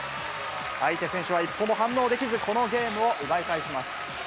相手選手は一歩も反応できず、このゲームを奪い返します。